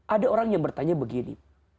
ada orang yang bertanya begini